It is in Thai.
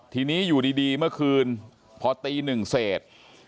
ทีนี้อยู่ดีเมื่อคืนพอตี๑เสต